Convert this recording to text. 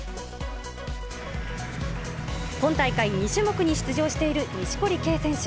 今大会２種目に出場している錦織圭選手。